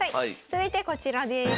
続いてこちらです。